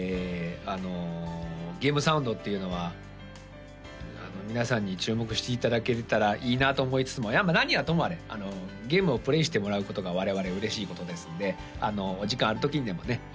あのゲームサウンドっていうのは皆さんに注目していただけれたらいいなと思いつつも何はともあれゲームをプレーしてもらうことが我々嬉しいことですんでお時間あるときにでもね